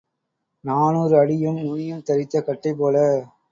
நாநூறு அடியும் நுனியும் தறித்த கட்டை போல.